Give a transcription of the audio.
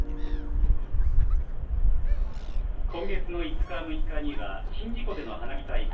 今月の５日、６日には宍道湖での花火大会